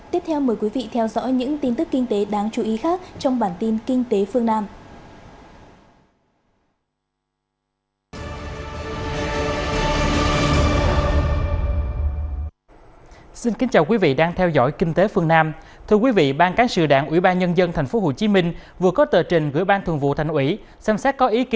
tiếp theo mời quý vị theo dõi những tin tức kinh tế đáng chú ý khác